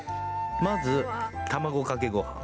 まず卵かけごはん。